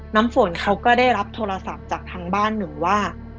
น้ำฝนเขาก็ได้รับโทรศัพท์จากทางบ้านหนึ่งว่า